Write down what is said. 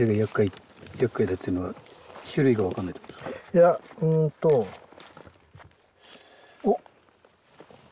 いやうんとおっ？